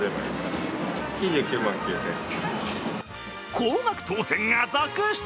高額当せんが続出。